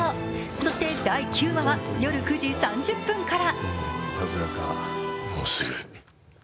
そして第９話は、夜９時３０分から。